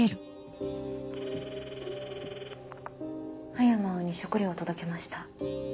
葉山葵に食料を届けました。